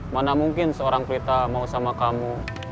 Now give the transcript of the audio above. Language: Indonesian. mana mungkin seorang pelita mau sama kamu